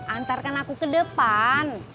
antarkan aku ke depan